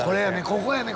ここやね。